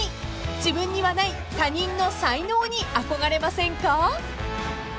［自分にはない他人の才能に憧れませんか？］